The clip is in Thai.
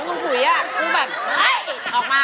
ไม่ต้องหวังถึงคราวหน้า